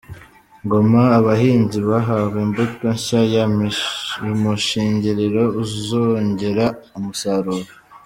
Ngoma Abahinzi bahawe imbuto nshya ya mushingiriro izongera umusaruro